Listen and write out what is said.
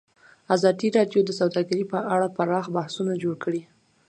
ازادي راډیو د سوداګري په اړه پراخ بحثونه جوړ کړي.